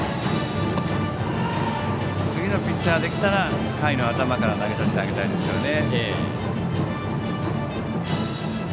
次のピッチャーできたら回の頭から投げさせてあげたいですね。